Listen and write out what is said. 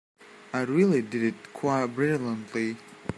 I really did it quite brilliantly.